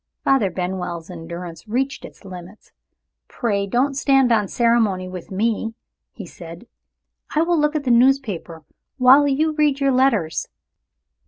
Father Benwell's endurance reached its limits. "Pray don't stand on ceremony with me," he said. "I will look at the newspaper while you read your letters."